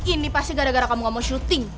ini pasti gara gara kamu gak mau syuting